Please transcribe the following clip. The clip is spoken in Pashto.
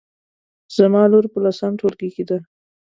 زما لور په لسم ټولګي کې ده